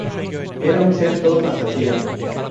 Era un ser todo fantasía.